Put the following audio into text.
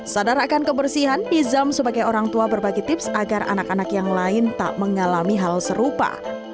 sadar akan kebersihan izam sebagai orang tua berbagi tips agar anak anak yang lain tak mengalami hal serupa